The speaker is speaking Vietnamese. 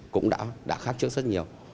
cũng đã khác trước rất nhiều